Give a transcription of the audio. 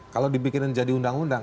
kalau dipikirin jadi undang undang